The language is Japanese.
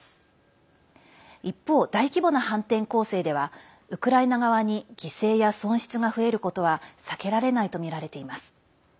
一方、大規模な反転攻勢ではウクライナ側に犠牲や損失が増えることは避けられないとみられています。